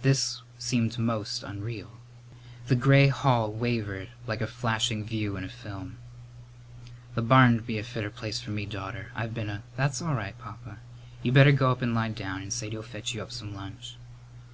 This seemed most unreal. The gray hall wavered like a flashing view in a film. "The barn'd be a fitter place for me, daughter. I've been a " "That's all right, Papa. You better go up and lie down, and Sadie'll fetch you up some lunch."